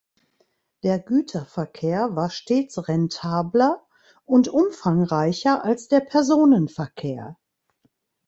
Der Güterverkehr war stets rentabler und umfangreicher als der Personenverkehr.